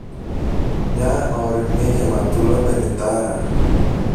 Μια ώριμη γεματούλα πενηντάρα